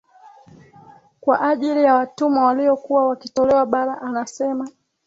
kwa ajili ya watumwa waliokuwa wakitolewa bara anasema